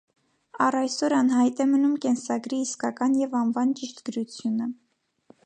Առ այսօր անհայտ է մնում կենսագրի իսկական և անվան ճիշտ գրությունը։